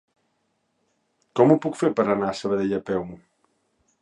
Com ho puc fer per anar a Sabadell a peu?